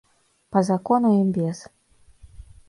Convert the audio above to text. Па закону і без.